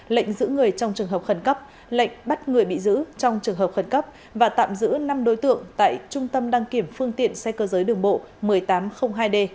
lệnh giữ người trong trường hợp khẩn cấp lệnh bắt người bị giữ trong trường hợp khẩn cấp và tạm giữ năm đối tượng tại trung tâm đăng kiểm phương tiện xe cơ giới đường bộ một mươi tám hai d